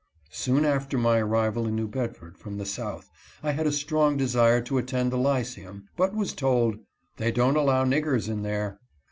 Soon after my arrival in New Bedford from the 304 VISITS EATON HALL. South, I had a strong desire to attend the lyceum, but was told/ "They don't allow niggers there."